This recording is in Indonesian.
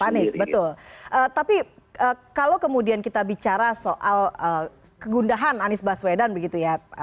pak anies betul tapi kalau kemudian kita bicara soal kegundahan anies baswedan begitu ya